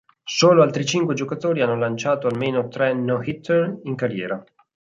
Solo altri cinque giocatori hanno lanciato almeno tre no-hitter in carriera.